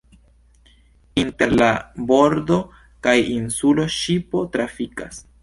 Inter la bordo kaj insulo ŝipo trafikas.